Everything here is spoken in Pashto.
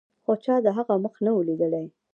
خو چا د هغه مخ نه و لیدلی.